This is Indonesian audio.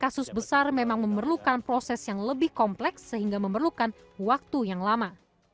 kasus besar memang memerlukan proses yang lebih kompleks sehingga memerlukan waktu yang lama